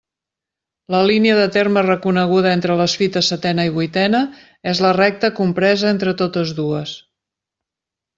La línia de terme reconeguda entre les fites setena i vuitena és la recta compresa entre totes dues.